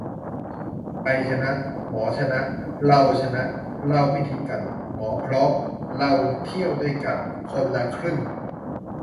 ไทยชนะ หมอชนะ เราชนะ เราไม่ทิ้งกัน หมอพร้อม เราเที่ยวด้วยกัน คนละครึ่ง